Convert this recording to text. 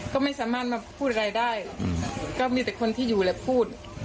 ก็ไม่สามารถมาพูดอะไรได้ก็มีแต่คนที่อยู่แหละพูด